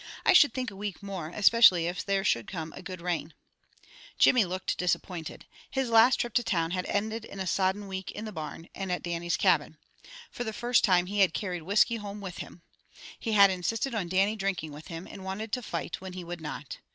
I should think a week more, especially if there should come a guid rain." Jimmy looked disappointed. His last trip to town had ended in a sodden week in the barn, and at Dannie's cabin. For the first time he had carried whiskey home with him. He had insisted on Dannie drinking with him, and wanted to fight when he would not.